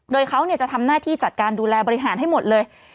โดยเขาจะทำหน้าที่จัดการดูแลบริหารให้หมดเลย